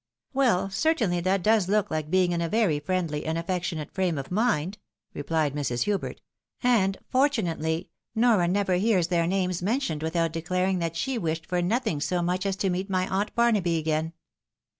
" Well, certainly that does look like being in a very friendly and affectionate frame of mind !" replied Mrs. Hubert, " and fortunately Nora never hears their names mentioned without declaring that she wished for nothing so much as to meet my aunt Barnaby again.